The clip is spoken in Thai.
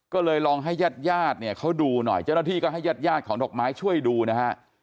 ก็เลยลองให้ญาติญาติเนี่ยเขาดูหน่อยเจ้าหน้าที่ก็ให้ญาติยาดของดอกไม้ช่วยดูนะฮะ